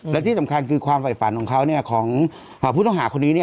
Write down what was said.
และที่สำคัญคือความไฟฝันของเขาเนี่ยของผู้ต้องหาว่าคนนี้เนี่ย